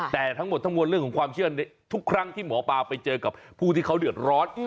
แต่ทั้งหมดทั้งมวลเรื่องของความเชื่อในทุกครั้งที่หมอปลาไปเจอกับผู้ที่เขาเดือดร้อน